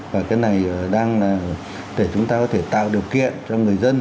và cái này đang để chúng ta có thể tạo điều kiện cho người dân